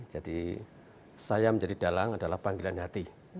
jadi saya menjadi dalang adalah panggilan hati